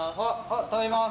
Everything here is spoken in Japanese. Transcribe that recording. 食べまーす！